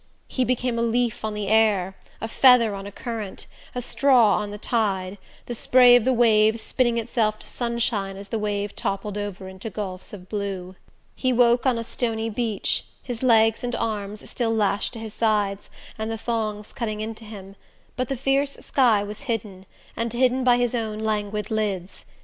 He became a leaf on the air, a feather on a current, a straw on the tide, the spray of the wave spinning itself to sunshine as the wave toppled over into gulfs of blue... He woke on a stony beach, his legs and arms still lashed to his sides and the thongs cutting into him; but the fierce sky was hidden, and hidden by his own languid lids.